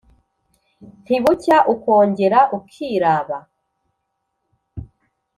ntibucya ukongera ukiraba